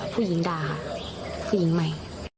ผู้หญิงด่าผู้หญิงใหม่